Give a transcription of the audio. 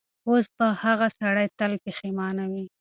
اوس به هغه سړی تل پښېمانه وي.